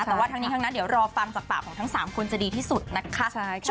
แต่ว่าทั้งนี้ทั้งนั้นเดี๋ยวรอฟังจากปากของทั้ง๓คนจะดีที่สุดนะคะ